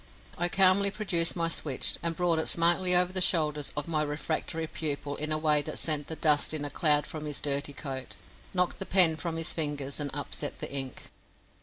I calmly produced my switch and brought it smartly over the shoulders of my refractory pupil in a way that sent the dust in a cloud from his dirty coat, knocked the pen from his fingers, and upset the ink.